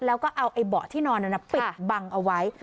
แล้วก็เอาเบาะที่นอนปิดบังเอาไว้